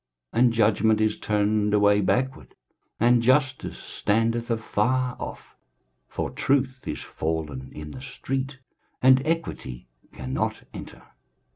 23:059:014 And judgment is turned away backward, and justice standeth afar off: for truth is fallen in the street, and equity cannot enter.